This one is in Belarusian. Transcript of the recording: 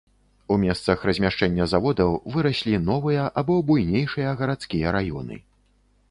У месцах размяшчэння заводаў выраслі новыя або буйнейшыя гарадскія раёны.